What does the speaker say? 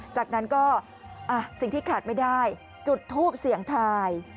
จากนั้นก็สิ่งที่ขาดไม่ได้จุดทูปเสี่ยงทาย